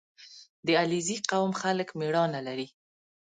• د علیزي قوم خلک مېړانه لري.